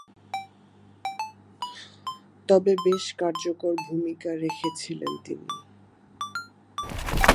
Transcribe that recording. তবে বেশ কার্যকর ভূমিকা রেখেছিলেন তিনি।